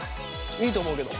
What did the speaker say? いいと思うけど。